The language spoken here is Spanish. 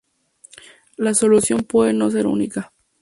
La solución puede no ser única.